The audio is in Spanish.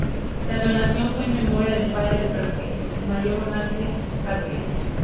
La donación fue en memoria del padre de Parker, el mayor Horace Parker.